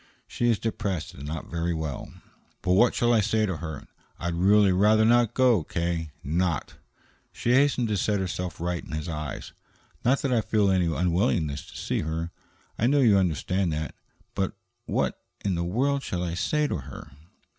She is depressed and not very well." "But what shall I say to her? I'd really rather not go, K. Not," she hastened to set herself right in his eyes "not that I feel any unwillingness to see her. I know you understand that. But what in the world shall I say to her?"